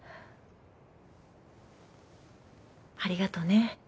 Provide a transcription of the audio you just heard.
ありがとね。